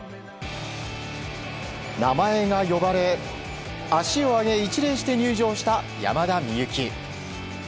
名前が呼ばれ足を上げ一礼して入場した山田美幸。